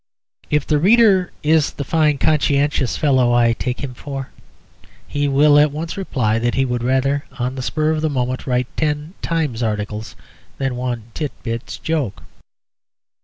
If the reader is the fine conscientious fellow I take him for, he will at once reply that he would rather on the spur of the moment write ten Times articles than one Tit Bits joke.